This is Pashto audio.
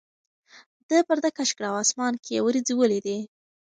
ده پرده کش کړه او اسمان کې یې وریځې ولیدې.